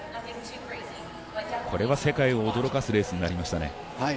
これは世界を驚かすレースになりましたね。